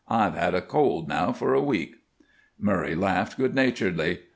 I've had a cold now for a week." Murray laughed good naturedly.